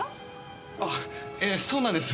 あええそうなんです。